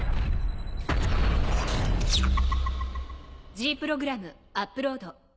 Ｇプログラムアップロード。